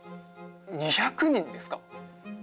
２００人ですか？